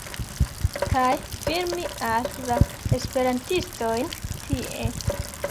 kaj filmi al la esperantistojn tie